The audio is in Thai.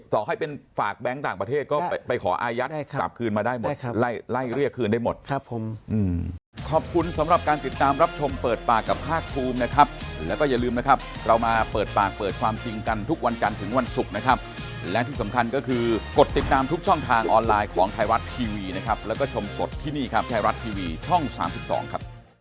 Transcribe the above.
ต่อให้เป็นฝากแบงค์ต่างประเทศก็ไปขออายัดกลับคืนมาได้หมดไล่เรียกคืนได้หมดครับผม